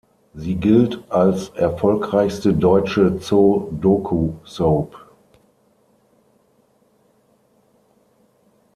Sie gilt als erfolgreichste deutsche Zoo-Doku-Soap.